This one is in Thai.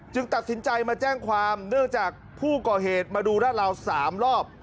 ตัดสินใจมาแจ้งความเนื่องจากผู้ก่อเหตุมาดูราดราว๓รอบ